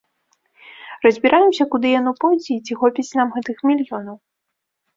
Разбіраемся, куды яно пойдзе і ці хопіць нам гэтых мільёнаў.